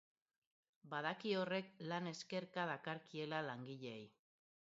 Badaki horrek lan eskerka dakarkiela langileei.